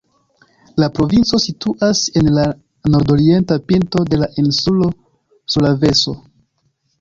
La provinco situas en la nordorienta pinto de la insulo Sulaveso.